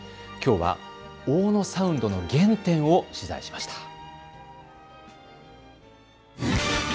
きょうは大野サウンドの原点を取材しました。